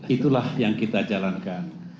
itulah yang kita jalankan